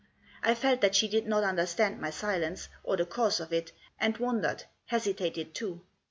I felt that she did not understand my silence, or the cause of it ; and wondered, hesitated too.